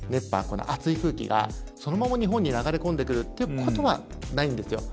この熱い空気がそのまま日本に流れ込んでくるということはないんですよ。